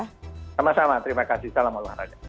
sama sama terima kasih salam olahraga